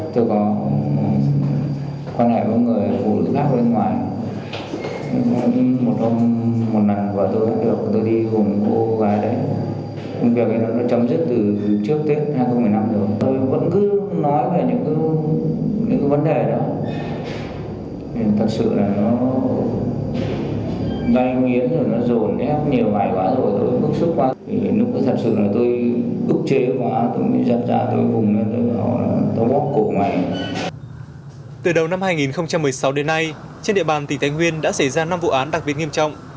từ đầu năm hai nghìn một mươi sáu đến nay trên địa bàn tỉnh tây nguyên đã xảy ra năm vụ án đặc biệt nghiêm trọng